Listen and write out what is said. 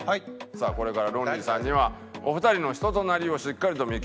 さあこれからロンリーさんにはお二人の人となりをしっかりと見極めていただき